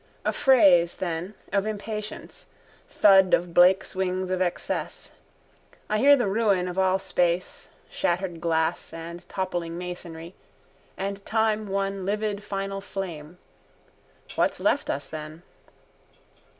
A phrase, then, of impatience, thud of Blake's wings of excess. I hear the ruin of all space, shattered glass and toppling masonry, and time one livid final flame. What's left us then?